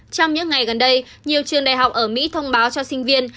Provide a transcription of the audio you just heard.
trong những ngày gần đây nhiều trường đại học ở mỹ thông báo cho sinh viên